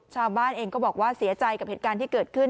ชาวบ้านเองก็บอกว่าเสียใจกับเหตุการณ์ที่เกิดขึ้น